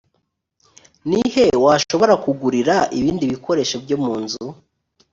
ni he washoboraga kugurira ibindi bikoresho byo mu nzu